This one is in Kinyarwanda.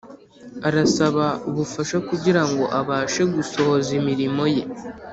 arasaba ubufasha kugira ngo abashe gusohoza imirimo ye